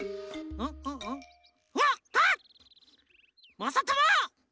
まさとも！